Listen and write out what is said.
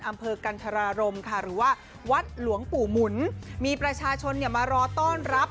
อำเภอกันธรารมค่ะหรือว่าวัดหลวงปู่หมุนมีประชาชนเนี่ยมารอต้อนรับ